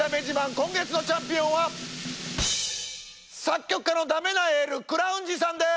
今月のチャンピオンは作曲家のだめなエールクラウンジさんです！